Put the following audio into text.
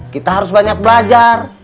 kita harus banyak belajar